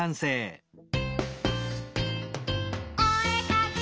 「おえかきだ！